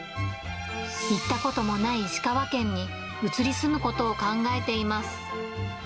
行ったこともない石川県に移り住むことを考えています。